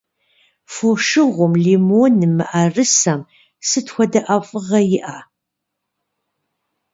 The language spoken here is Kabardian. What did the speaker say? Фошыгъум, лимоным, мыӀэрысэм сыт хуэдэ ӀэфӀыгъэ иӀэ?